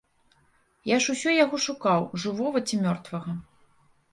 Я ж усё яго шукаў, жывога ці мёртвага.